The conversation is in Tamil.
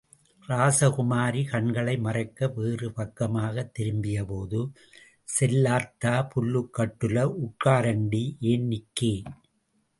ராசகுமாரி கண்களை மறைக்க வேறு பக்கமாகத் திரும்பியபோது செல்லாத்தா, புல்லுக்கட்டுல உட்காரண்டி ஏன் நிக்கே?